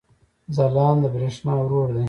ځلاند د برېښنا ورور دی